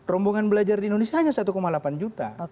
rombongan belajar di indonesia hanya satu delapan juta